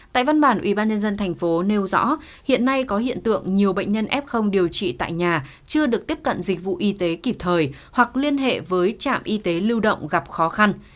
tại văn bản ủy ban nhân dân thành phố nêu rõ hiện nay có hiện tượng nhiều bệnh nhân f điều trị tại nhà chưa được tiếp cận dịch vụ y tế kịp thời hoặc liên hệ với trạm y tế lưu động gặp khó khăn